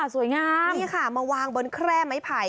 สวยงามนี่ค่ะมาวางบนแคร่ไม้ไผ่